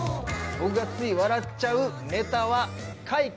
僕がつい笑っちゃうネタは、怪奇！